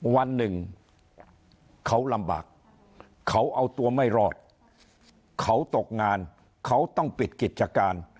วันหนึ่งเขาลำบากเขาเอาตัวไม่รอดเขาตกงานเขาต้องปิดกิจการ